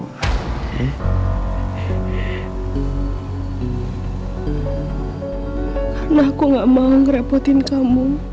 karena aku gak mau ngerepotin kamu